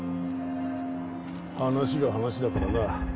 話が話だからな。